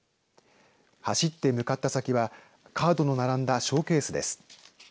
走って向かった先はカードの並んだショーケースです。